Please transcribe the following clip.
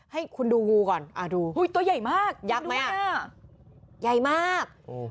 ให้คุณดูงูก่อนอ่าดูโอ้โหตัวยักษ์มากยักษ์ไหมอ่ะดูน่ะ